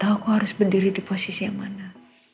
hai aku enggak tahu harus berdiri di posisi yang mana